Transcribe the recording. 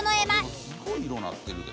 でもすごい色なってるで。